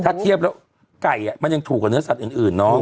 ถ้าเทียบแล้วไก่มันยังถูกกว่าเนื้อสัตว์อื่นเนาะ